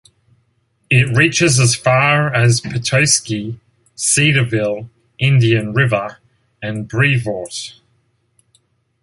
It reaches as far as Petoskey, Cedarville, Indian River, and Brevort.